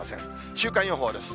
週間予報です。